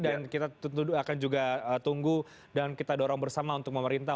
dan kita akan juga tunggu dan kita dorong bersama untuk pemerintah